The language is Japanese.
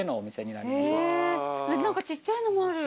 ちっちゃいのもある。